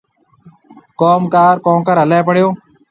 ڪوم ڪار ڪونڪر هليَ پڙيو؟